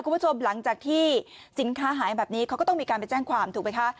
คุณผู้ชมหลังจากที่สินค้าหายแบบนี้เขาก็ต้องมีการไปแจ้งความถูกไหมคะ